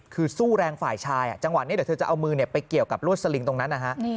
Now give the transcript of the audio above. คือสู้แรงฝ่ายชายจังหวะนี้เดี๋ยวเธอจะเอามือไปเกี่ยวกับรวดสลิงตรงนั้นนะฮะ